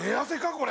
これ。